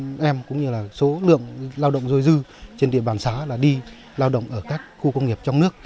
các con em cũng như là số lượng lao động dồi dư trên địa bàn xá là đi lao động ở các khu công nghiệp trong nước